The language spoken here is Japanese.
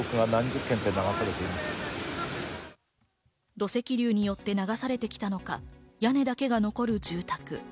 土石流によって流されてきたのか屋根だけが残る住宅。